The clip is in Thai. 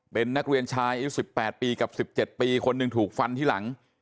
เป็นนักเรียนชายอายุ๑๘ปีกับ๑๗ปีคนหนึ่งถูกฟันที่หลัง